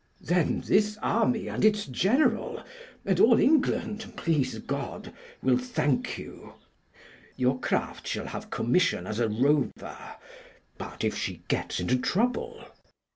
"Then this army and its General, and all England, please God, will thank you. Your craft shall have commission as a rover but if she gets into trouble?"